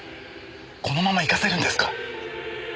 このまま行かせるんですか？